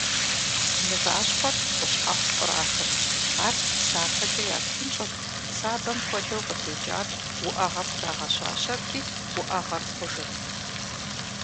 Мыващхъуэр къущхьэхъу кърахырт, ар сапэкӀэ ятхъунщӀырт, сабэм хуэдэу къытекӀар уӀэгъэм трагъэщащэрти, уӀэгъэр хъужырт.